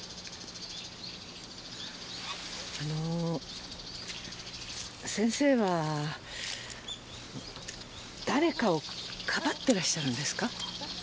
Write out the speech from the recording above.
あの先生は誰かをかばってらっしゃるんですか？